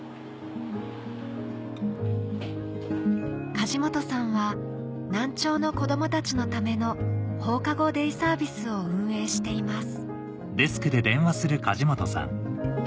梶本さんは難聴の子供たちのための放課後デイサービスを運営しています